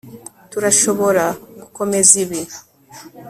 turashobora gukomeza ibi